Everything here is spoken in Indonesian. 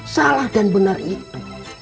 salah dan benar itu